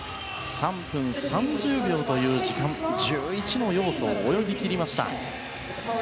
３分３０秒という時間１１の要素を泳ぎ切りました。